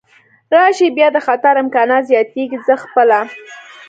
راشي، بیا د خطر امکانات زیاتېږي، زه خپله.